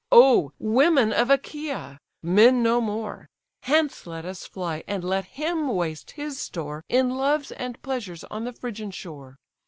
Oh women of Achaia; men no more! Hence let us fly, and let him waste his store In loves and pleasures on the Phrygian shore.